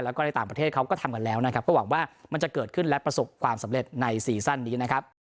แล้วก็ในต่างประเทศเขาก็ทำกันแล้วนะครับก็หวังว่ามันจะเกิดขึ้นและประสบความสำเร็จในซีซั่นนี้นะครับ